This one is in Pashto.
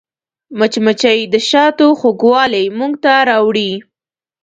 مچمچۍ د شاتو خوږوالی موږ ته راوړي